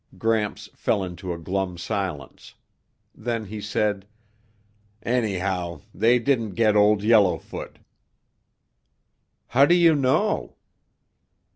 Gramps fell into a glum silence. Then he said, "Anyhow, they didn't get Old Yellowfoot." "How do you know?"